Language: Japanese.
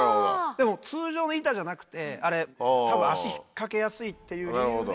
でも通常の板じゃなくてあれ多分足引っかけやすいっていう理由で。